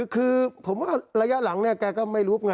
คือผมว่าระยะหลังแกก็ไม่รู้เป็นไง